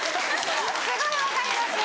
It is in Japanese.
すごい分かりますよ！